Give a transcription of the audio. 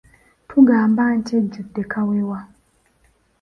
Tugamba nti ejjudde kawewa.